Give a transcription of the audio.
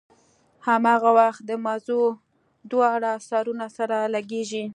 هماغه وخت د مزو دواړه سرونه سره لګېږي.